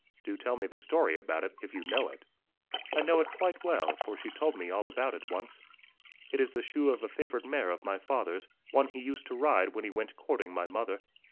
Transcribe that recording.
'Do tell me the story about it, if you know it.' 'I know it quite well, for she told me all about it once. It is the shoe of a favourite mare of my father's one he used to ride when he went courting my mother.